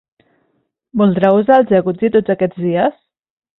Voldrà usar el jacuzzi tots aquests dies?